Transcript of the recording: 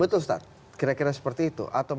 betul ustadz kira kira seperti itu atau